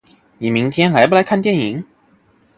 你明天来不来看电影？